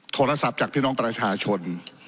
โทรศัพท์จากพี่น้องประชาชน